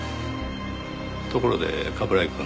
ところで冠城くん。